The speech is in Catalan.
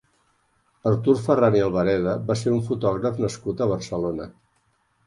Artur Ferran i Albareda va ser un fotògraf nascut a Barcelona.